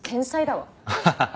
ハハハハ。